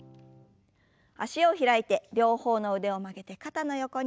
脚を開いて両方の腕を曲げて肩の横に。